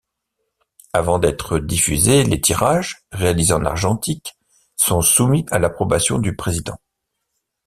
Avant d'être diffusés, les tirages, réalisés en argentique, sont soumis à l'approbation du président.